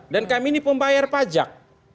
dan kami ini pembayar pajak